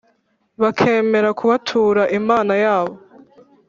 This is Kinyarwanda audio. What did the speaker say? bakemera kubatura imana yabo